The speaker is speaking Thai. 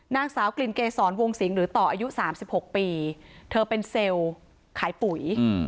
นางสาวกลิ่นเกษรวงสิงหรือต่ออายุ๓๖ปีเธอเป็นเซลล์ขายปุ๋ย